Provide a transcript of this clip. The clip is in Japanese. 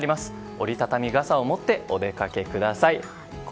折り畳み傘を持ってお出かけください。